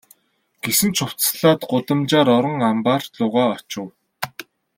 Гэсэн ч хувцаслаад гудамжаар орон амбаар луугаа очив.